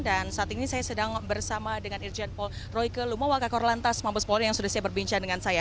dan saat ini saya sedang bersama dengan irjen polroike lumua kak korlantas mabes polri yang sudah siap berbincang dengan saya